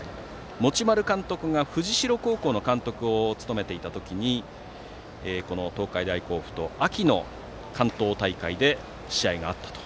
持丸監督が藤代高校の監督を務めていた時に東海大甲府と秋の関東大会で試合があったと。